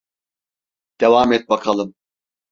Devam et bakalım.